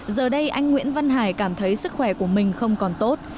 giờ đây anh nguyễn văn hải cảm thấy sức khỏe của mình không còn tốt